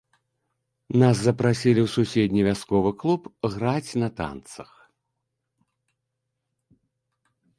Нас запрасілі ў суседні вясковы клуб граць на танцах.